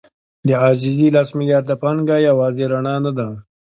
د عزیزي لس میلیارده پانګه یوازې رڼا نه ده.